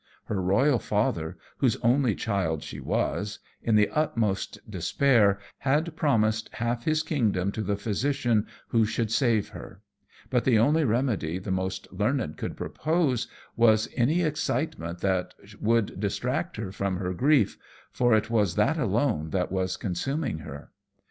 Her royal father, whose only child she was, in the utmost despair, had promised half his kingdom to the physician who should save her; but the only remedy the most learned could propose was any excitement that would distract her from her grief, for it was that alone that was consuming her.